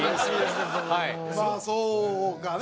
まあそうかね。